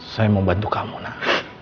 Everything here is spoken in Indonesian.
saya mau bantu kamu nak